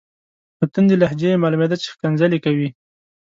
له توندې لهجې یې معلومیده چې ښکنځلې کوي.